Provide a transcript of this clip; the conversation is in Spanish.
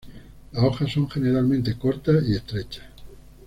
Las hojas son generalmente cortas y estrechas.